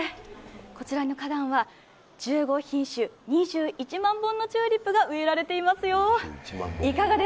こちらの花壇は１５品種、２１万本のチューリップが植えられていますよ。